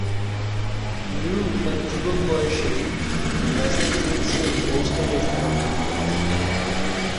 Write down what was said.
লু তার যুবক বয়সেই মেসাচুয়েটস-এর বোস্টনে স্থানান্তরিত হন।